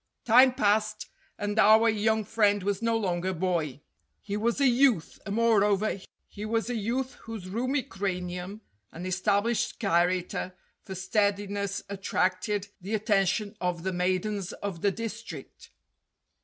Time passed, and our young friend was no longer a boy. He was a youth, and, moreover, he was a youth whose roomy cranium and established character for steadiness attracted the attention of the maidens of the district.